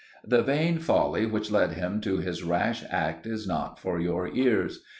The vain folly, which led him to his rash act is not for your ears.